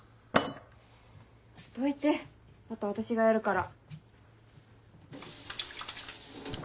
どいてあとは私がやるから。